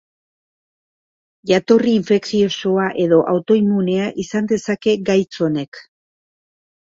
Jatorri infekziosoa edo autoimmunea izan dezake gaitz honek